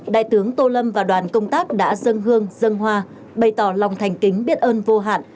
đại tướng tô lâm và đoàn công tác đã dâng hương dân hoa bày tỏ lòng thành kính biết ơn vô hạn